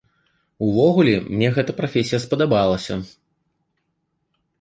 Увогуле, мне гэтая прафесія спадабалася.